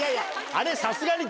あれさすがに。